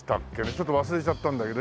ちょっと忘れちゃったんだけど。